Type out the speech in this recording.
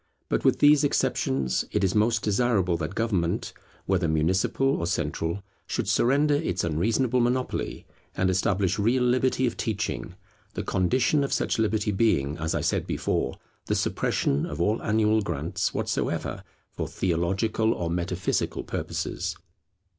But with these exceptions, it is most desirable that government, whether municipal or central, should surrender its unreasonable monopoly, and establish real liberty of teaching; the condition of such liberty being, as I said before, the suppression of all annual grants whatsoever for theological or metaphysical purposes.